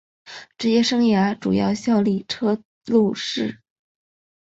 职业生涯主要效力车路士。